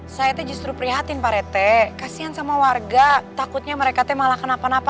saya justru prihatin parete kasihan sama warga takutnya mereka teman lakan apa apa